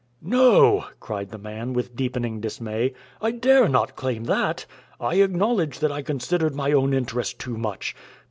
"No," cried the man, with deepening dismay, "I dare not claim that. I acknowledge that I considered my own interest too much.